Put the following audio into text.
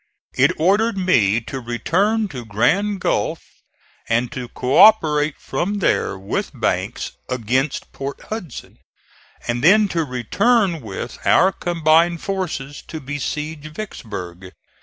It ordered me to return to Grand Gulf and to co operate from there with Banks against Port Hudson, and then to return with our combined forces to besiege Vicksburg.